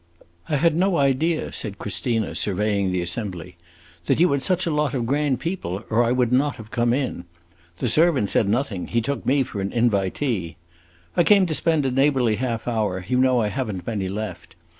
"I had no idea," said Christina, surveying the assembly, "that you had such a lot of grand people, or I would not have come in. The servant said nothing; he took me for an invitee. I came to spend a neighborly half hour; you know I have n't many left!